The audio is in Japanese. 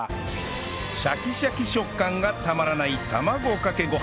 シャキシャキ食感がたまらない卵かけご飯